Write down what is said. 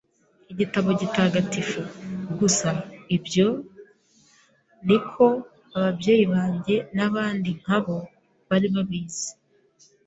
igitabo gitagatifu, gusa, ibyo ni ko ababyeyi banjye n’ abandi nk’ abo bari babizi